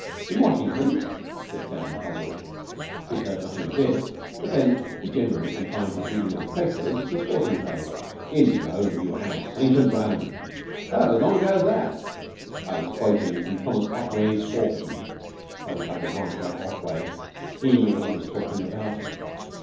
'" "In Washington?" said Sam puzzled. He had heard nothing of this. But then he generally confined his reading of the papers to the sporting page. "In Rome, you ass! Ancient Rome." "Oh, as long ago as that?" "I was quoting from Thomas Otway's 'Orphan.' I wish I could write like Otway. He knew what he was talking about.